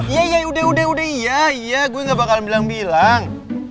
iya iya udah udah udah gue gak bakal bilang bilang